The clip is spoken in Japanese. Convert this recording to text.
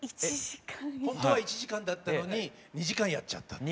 ほんとは１時間だったのに２時間やっちゃった。